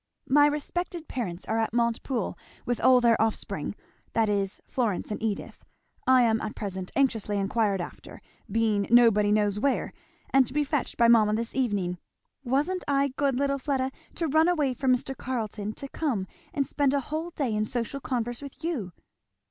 "My respected parents are at Montepoole, with all their offspring, that is, Florence and Edith, I am at present anxiously enquired after, being nobody knows where, and to be fetched by mamma this evening. Wasn't I good, little Fleda, to run away from Mr. Carleton to come and spend a whole day in social converse with you?"